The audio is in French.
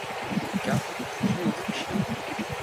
Karl est né autrichien.